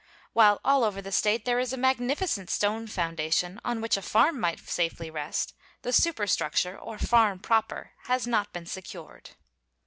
While all over the State there is a magnificent stone foundation on which a farm might safely rest, the superstructure, or farm proper, has not been secured.